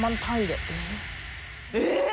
えっ！